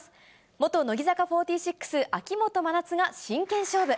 元乃木坂４６・秋元真夏が真剣勝負。